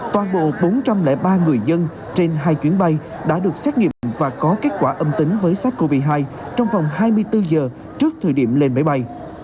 toàn bộ bốn trăm linh ba người dân trên hai chuyến bay đã được xét nghiệm và có kết quả âm tính với sars cov hai trong vòng hai mươi bốn giờ trước thời điểm lên máy bay